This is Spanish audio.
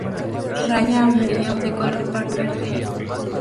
Raya amarilla o de color pardo verde.